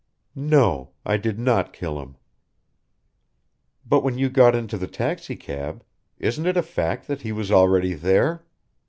"No I did not kill him." "But when you got into the taxicab isn't it a fact that he was already there?"